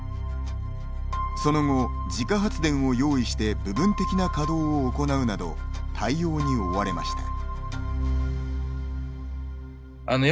その後、自家発電を用意して部分的な稼働を行うなど対応に追われました。